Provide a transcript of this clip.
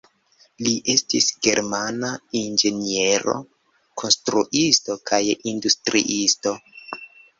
Li estis germana inĝeniero, konstruisto kaj industriisto.